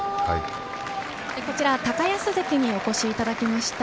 こちら高安関にお越しいただきました。